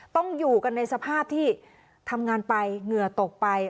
ต้องอยู่กันในสภาพที่ทำงานไปเหงื่อตกไป